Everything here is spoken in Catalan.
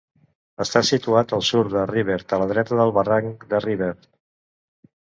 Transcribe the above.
Està situat al sud de Rivert, a la dreta del barranc de Rivert.